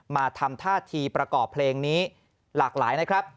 มาทำท่าทีประกอบเพลงนี้หลากหลายนะครับ